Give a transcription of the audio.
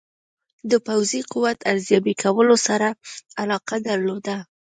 د پوځي قوت ارزیابي کولو سره علاقه درلوده.